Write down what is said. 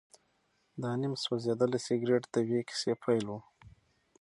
دا نیم سوځېدلی سګرټ د یوې کیسې پیل و.